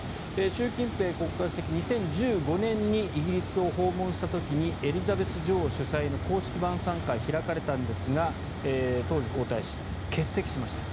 習近平国家主席、２０１５年にイギリスを訪問した時にエリザベス女王主催の公式晩さん会が開かれたんですが当時、皇太子、欠席しました。